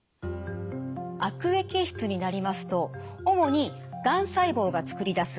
悪液質になりますと主にがん細胞がつくり出す